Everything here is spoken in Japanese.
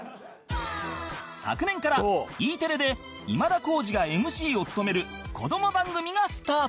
昨年から Ｅ テレで今田耕司が ＭＣ を務める子ども番組がスタート